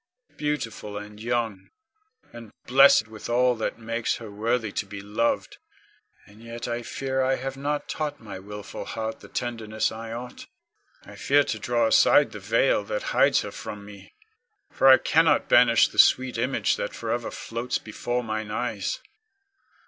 Beautiful and young, and blessed with all that makes her worthy to be loved, and yet I fear I have not taught my wilful heart the tenderness I ought. I fear to draw aside the veil that hides her from me, for I cannot banish the sweet image that forever floats before mine eyes.